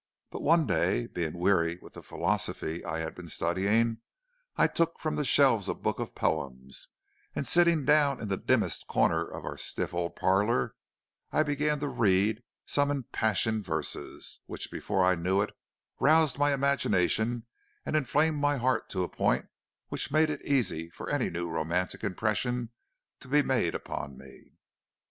But one day, being weary with the philosophy I had been studying, I took from the shelves a book of poems, and sitting down in the dimmest corner of our stiff old parlor, I began to read some impassioned verses, which, before I knew it, roused my imagination and inflamed my heart to a point which made it easy for any new romantic impression to be made upon me.